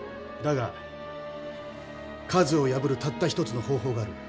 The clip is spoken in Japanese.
だが数を破るたった一つの方法がある。